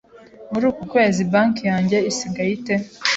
Muri uku kwezi, banki yanjye isigaye ite?